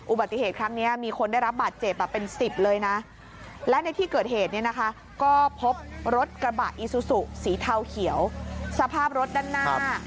อุบัติเหตุครั้งนี้มีคนได้รับบาดเจ็บเป็น๑๐เลยนะและในที่เกิดเหตุเนี่ยนะคะก็พบรถกระบะอีซูซูสีเทาเขียวสภาพรถด้านหน้า